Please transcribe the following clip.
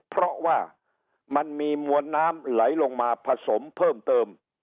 เพราะว่ามันมีมวลน้ำไหลลงมาผสมเพิ่มเติม